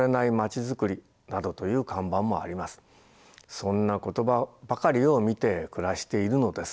そんな言葉ばかりを見て暮らしているのです。